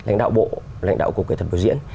lãnh đạo bộ lãnh đạo cục kỹ thuật bộ diễn